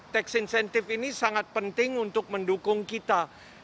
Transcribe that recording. tax incentive ini sangat penting untuk mendukung kita